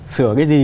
sửa cái gì